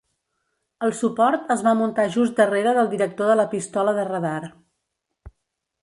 El suport es va muntar just darrera del director de la pistola de radar.